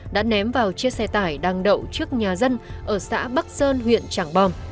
đã ném vào chiếc xe tải đăng đậu trước nhà dân ở xã bắc sơn huyện tràng bom